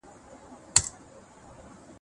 په سکروټو کي درځمه د سیالیو له غیرته